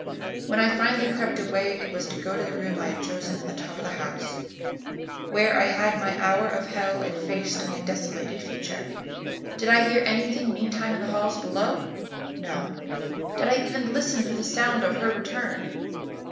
When I finally crept away it was to go to the room I had chosen in the top of the house, where I had my hour of hell and faced my desolated future. Did I hear anything meantime in the halls below? No. Did I even listen for the sound of her return?